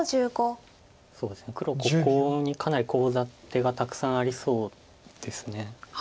ここにかなりコウ立てがたくさんありそうです。